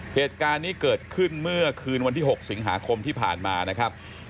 เหตุการณ์นี้เกิดขึ้นเมื่อคืนวันที่๖สิงหาคมที่ผ่านมานะครับ